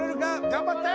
頑張って！